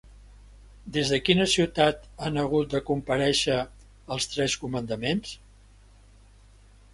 Des de quina ciutat han hagut de comparèixer els tres comandaments?